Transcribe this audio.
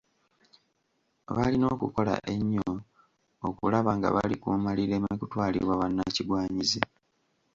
Balina okukola ennyo okulaba nga balikuuma lireme kutwalibwa bannakigwanyizi.